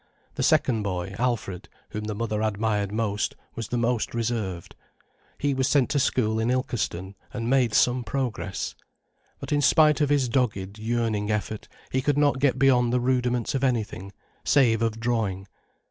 The second boy, Alfred, whom the mother admired most, was the most reserved. He was sent to school in Ilkeston and made some progress. But in spite of his dogged, yearning effort, he could not get beyond the rudiments of anything, save of drawing.